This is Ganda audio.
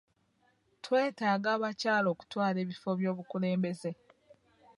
Twetaaga abakyala okutwala ebifo by'obukulembeze.